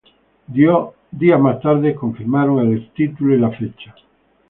Días más tarde confirmaron el título y le fecha.